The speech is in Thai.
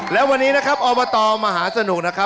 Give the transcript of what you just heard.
และวันนี้นะครับออบตมหาสนุก